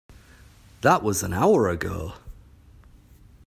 That was an hour ago!